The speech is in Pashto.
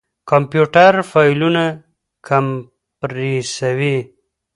کمپيوټر فايلونه کمپريسوي.